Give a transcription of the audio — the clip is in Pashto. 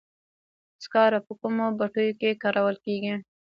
سکاره په کومو بټیو کې کارول کیږي؟